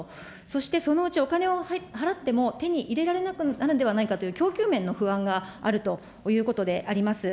そしてそのうち、お金を払っても、手に入れられなくなるんではないかという、供給面の不安があるということであります。